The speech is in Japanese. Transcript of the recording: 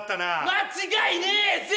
間違いねえぜ！